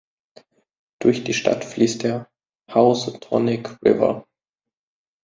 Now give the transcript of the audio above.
Durch die Stadt fließt der Housatonic River.